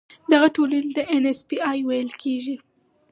دغه ټولنې ته ان ایس پي اي ویل کیږي.